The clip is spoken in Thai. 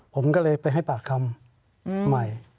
ผมก็เลยไปให้ปากคำใหม่